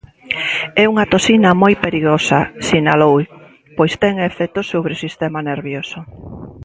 "É unha toxina moi perigosa", sinalou, pois "ten efectos sobre o sistema nervioso".